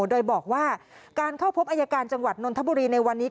โดยบอกว่าการเข้าพบอายการจังหวัดนนทบุรีในวันนี้